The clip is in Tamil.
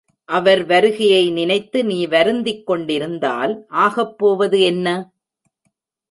அவர் வருகையை நினைத்து நீ வருந்திக் கொண்டிருந்தால் ஆகப்போவது என்ன?